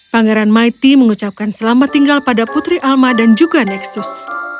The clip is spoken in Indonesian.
pangeran maiti mengucapkan selamat tinggal pada putri alma dan juga nexus